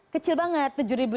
kecil banget tujuh ribu lima ratus